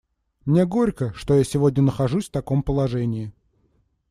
Мне горько, что я сегодня нахожусь в таком положении.